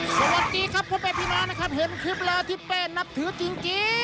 สวัสดีครับพวกแอปพีน้านะครับเห็นคลิปเราที่เป้นับถือจริง